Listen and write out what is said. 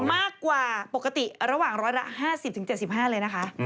มากกว่าปกติระหว่างร้อยละ๕๐๗๕เลยนะคะ